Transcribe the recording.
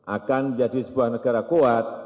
akan menjadi sebuah negara kuat